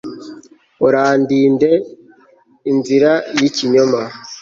urandinde inzira y'ikinyoma